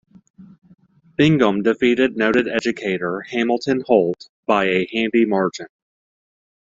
Bingham defeated noted educator Hamilton Holt by a handy margin.